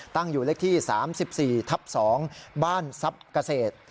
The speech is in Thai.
ตั้งอยู่เลขที่๓๔ทับ๒บ้านทรัพย์เกษตร